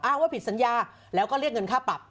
ว่าผิดสัญญาแล้วก็เรียกเงินค่าปรับ